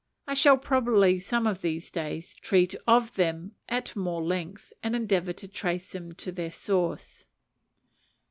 I shall, probably, some of these days, treat of them at more length, and endeavour to trace them to their source.